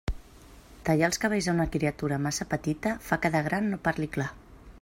Tallar els cabells a una criatura massa petita fa que de gran no parli clar.